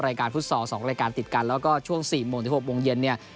รายการพุธศอสตร์๒รายการติดกันแล้วก็ช่วง๔โมงที่๖โมงเย็นเนี่ย